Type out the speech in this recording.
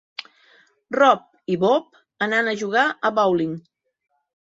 Rob i Bob han anat a jugar a bowling.